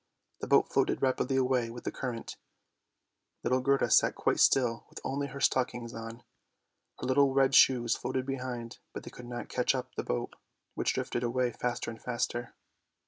The boat floated rapidly away with the current ; little Gerda sat quite still with only her stockings on ; her little red shoes floated behind, but they could not catch up the boat which drifted away faster and faster.